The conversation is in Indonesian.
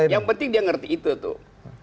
yang penting dia ngerti itu tuh